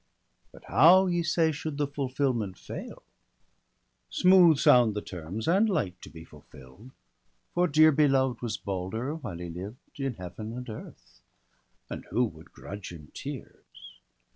But how, ye say, should the fulfilment fail? — BALDER DEAD. 175 Smooth sound the terms, and light to be fulfiU'd; For dear beloved was Balder while he lived In Heaven and earth, and who would grudge him tears